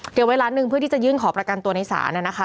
เตรียมไว้ล้านนึงเพื่อที่จะยื่นขอประกันตัวในสารเนี่ยนะคะ